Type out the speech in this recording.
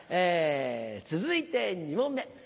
続いて２問目。